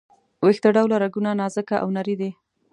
ویښته ډوله رګونه نازکه او نري دي.